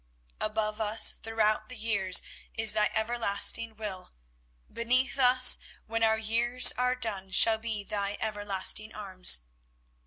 Above us throughout the years is Thy Everlasting Will, beneath us when our years are done, shall be Thy Everlasting Arms.